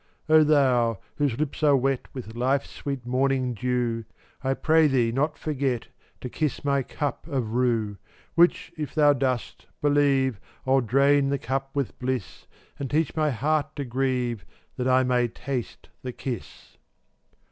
430 O thou whose lips are wet With life's sweet morning dew, I pray thee not forget To kiss my cup of rue; Which if thou dost, believe, I'll drain the cup with bliss, And teach my heart to grieve That I may taste the kiss.